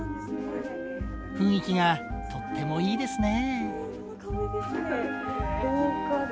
雰囲気がとってもいいですね。